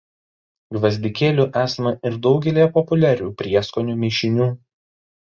Gvazdikėlių esama ir daugelyje populiarių prieskonių mišinių.